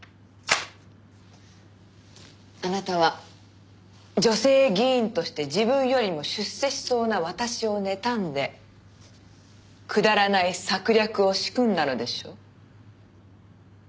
あなたは女性議員として自分よりも出世しそうな私をねたんでくだらない策略を仕組んだのでしょう？